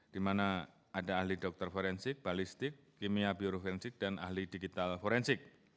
di mana ada ahli dokter forensik balistik kimia biologik dan ahli digital forensik